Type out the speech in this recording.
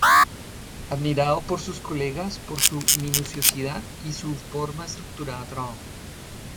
Admirado por sus colegas por su minuciosidad y su forma estructurada de trabajo.